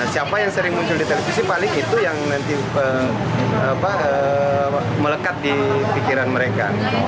siapa yang sering muncul di televisi paling itu yang nanti melekat di pikiran mereka